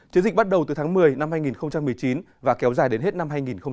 chiến dịch bắt đầu từ tháng một mươi năm hai nghìn một mươi chín và kéo dài đến hết năm hai nghìn hai mươi